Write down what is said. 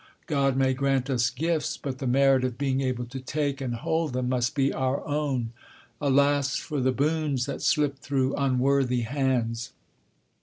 God may grant us gifts, but the merit of being able to take and hold them must be our own. Alas for the boons that slip through unworthy hands!